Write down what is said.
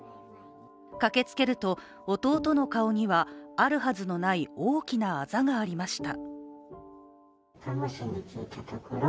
駆けつけると、弟の顔にはあるはずのない大きなあざがありました。